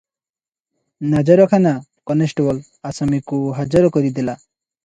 ନାଜରଖାନା constable ଆସାମୀକୁ ହାଜର କରିଦେଲା ।